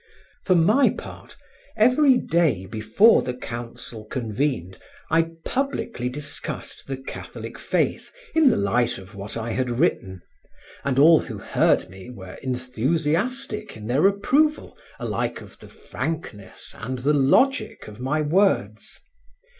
For my part, everyday before the council convened I publicly discussed the Catholic faith in the light of what I had written, and all who heard me were enthusiastic in their approval alike of the frankness and the logic of my words.